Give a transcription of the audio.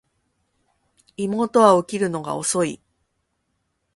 妹は起きるのが遅い